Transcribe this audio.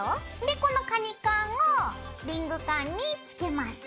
このカニカンをリングカンにつけます。